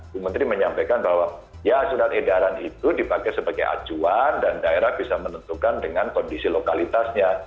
bu menteri menyampaikan bahwa ya surat edaran itu dipakai sebagai acuan dan daerah bisa menentukan dengan kondisi lokalitasnya